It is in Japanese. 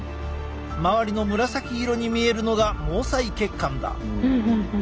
周りの紫色に見えるのが毛細血管だ。